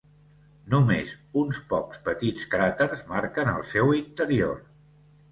Només uns pocs petits cràters marquen el seu interior.